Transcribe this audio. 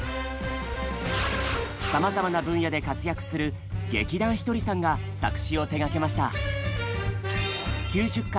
さまざまな分野で活躍する劇団ひとりさんが作詞を手がけました。